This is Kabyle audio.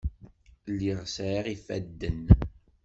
Lliɣ sɛiɣ ifadden.